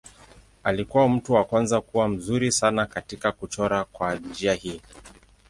Alikuwa mtu wa kwanza kuwa mzuri sana katika kuchora kwa njia hii.